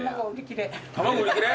卵売り切れ？